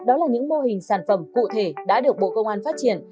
đó là những mô hình sản phẩm cụ thể đã được bộ công an phát triển